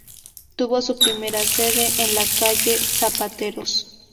Tuvo su primera sede en la calle Zapateros.